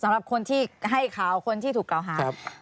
สำหรับคนที่ให้ข่าวคนที่ถูกกล่าวหา